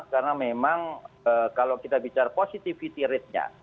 karena memang kalau kita bicara positivity ratenya